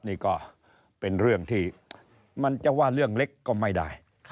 นี่ก็เป็นเรื่องที่มันจะว่าเรื่องเล็กก็ไม่ได้